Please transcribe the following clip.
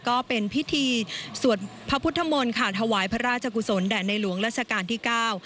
ก็เป็นพิธีสวดพระพุทธมนตร์ค่ะถวายพระราชกุศลแด่ในหลวงราชการที่เก้า